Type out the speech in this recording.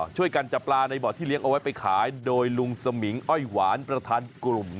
ช่วยกันจับปลาในบ่อที่เลี้ยงเอาไว้ไปขายโดยลุงสมิงอ้อยหวานประธานกลุ่ม